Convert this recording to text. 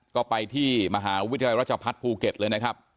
ก็ไปที่มหาวิทยาลัยราชพัฒน์ภูเก็ตเลยนะครับ